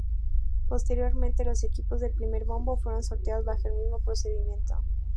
Posteriormente, los equipos del primer bombo fueron sorteados bajo el mismo procedimiento.